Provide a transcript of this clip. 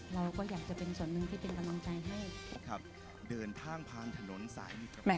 เราก็อยากจะเป็นส่วนหนึ่งที่เป็นกำลังใจให้